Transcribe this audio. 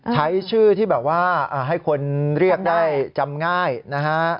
ใช้ชื่อที่แบบว่าให้คนเรียกได้จำง่ายนะฮะ